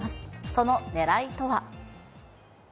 そのねらいとは。